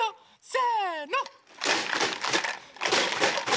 せの！